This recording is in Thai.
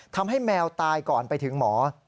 ทำให้แมวตายก่อนไปถึงหมอ